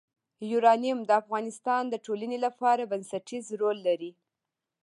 یورانیم د افغانستان د ټولنې لپاره بنسټيز رول لري.